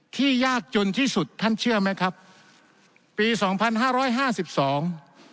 ยากจนที่สุดท่านเชื่อไหมครับปีสองพันห้าร้อยห้าสิบสอง